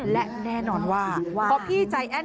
และแน่นอนว่าพอพี่ใจแอ้น